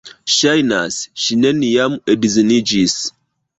Ŝajnas, ŝi neniam edziniĝis.